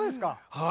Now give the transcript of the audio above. はい。